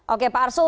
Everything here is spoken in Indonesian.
oke pak arsul